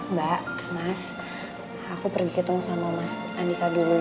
mbak mas aku pergi ketemu sama mas andika dulu